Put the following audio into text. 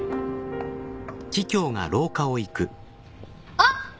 あっ！